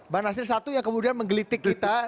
bang nasir satu yang kemudian menggelitik kita